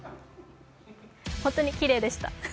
本当にきれいでした。